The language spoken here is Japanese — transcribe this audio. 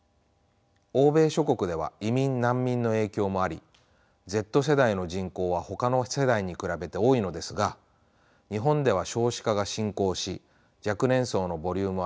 欧米諸国では移民・難民の影響もありＺ世代の人口はほかの世代に比べて多いのですが日本では少子化が進行し若年層のボリュームは減り続けています。